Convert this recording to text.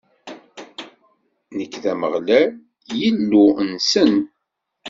Nekk d Ameɣlal, Illu-nsen.